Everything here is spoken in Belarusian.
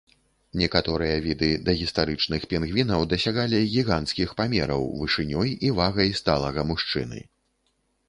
Некаторыя віды дагістарычных пінгвінаў дасягалі гіганцкіх памераў, вышынёй і вагай сталага мужчыны.